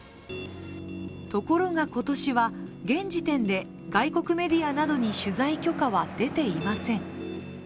ところが今年は、現時点で外国メディアなどに取材許可は出ていません。